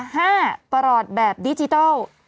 ประหลอดแบบดิจิทัล